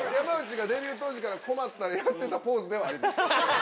デビュー当時から困ったらやってたポーズではあります。